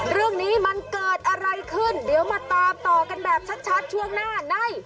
เรื่องนี้มันเกิดอะไรขึ้นเดี๋ยวมาตามต่อกันแบบชัดช่วงหน้าใน